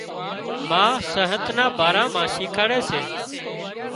ما صحت نا ڀارا مان شيکاڙي سي